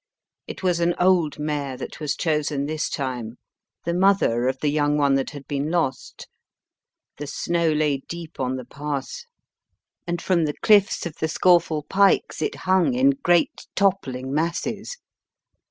It was an old mare that was chosen this time, the morher of the young one that had been lost. The snow lay deep on the pass, and from the THE HORSE KROKE AWAY cliffs of the Scawfell pikes it hung in great toppling masses.